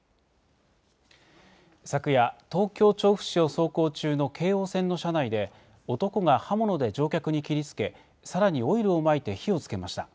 昨夜、東京・調布市を走行中の京王線の車内で、男が刃物で乗客に切りつけ、さらにオイルをまいて火をつけました。